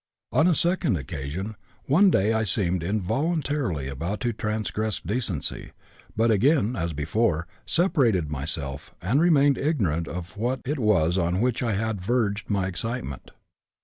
On a second occasion, one day, I seemed involuntarily about to transgress decency, but again, as before, separated myself, and remained ignorant of what it was on which I had verged in my excitement.